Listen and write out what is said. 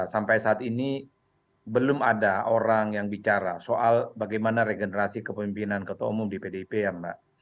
sampai saat ini belum ada orang yang bicara soal bagaimana regenerasi kepemimpinan ketua umum di pdip ya mbak